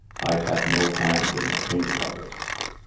I had no hand in the painting of it."